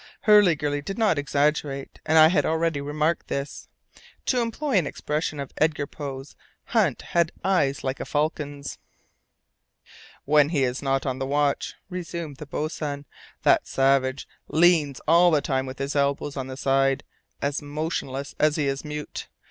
Hurliguerly did not exaggerate, and I had already remarked this. To employ an expression of Edgar Poe's, Hunt had eyes like a falcon's. "When he is not on the watch," resumed the boatswain, "that savage leans all the time with his elbows on the side, as motionless as he is mute.